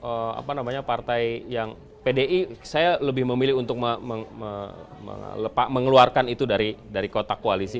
sekali lagi nih kembali ke dua partai yang pdi saya lebih memilih untuk mengeluarkan itu dari kotak koalisi